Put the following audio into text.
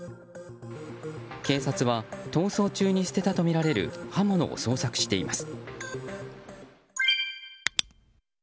警察は逃走中に捨てたとみられる刃物を捜索しています。